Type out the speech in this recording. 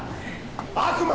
悪魔！